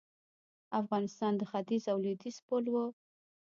افغانستان د ختیځ او لویدیځ پل و